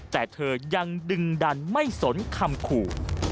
แต่เธอยังดึงดันไม่สนคำขู่